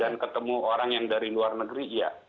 dan ketemu orang yang dari luar negeri iya